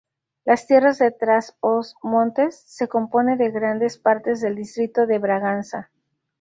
Las Tierras de Trás-os-Montes se compone de grandes partes del distrito de Braganza.